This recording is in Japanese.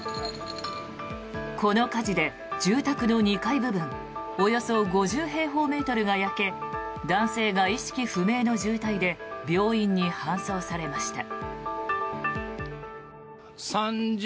この火事で住宅の２階部分およそ５０平方メートルが焼け男性が意識不明の重体で病院に搬送されました。